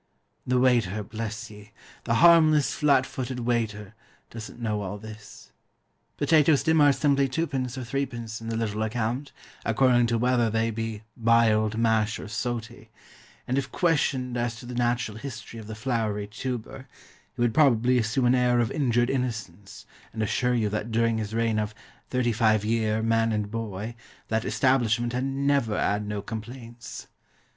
The waiter, bless ye! the harmless, flat footed waiter, doesn't know all this. Potatoes to him are simply 2d. or 3d. in the little account, according to whether they be "biled, mash, or soty"; and if questioned as to the natural history of the floury tuber, he would probably assume an air of injured innocence, and assure you that during his reign of "thirty five year, man and boy," that establishment had "never 'ad no complaints."